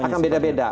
ya akan beda beda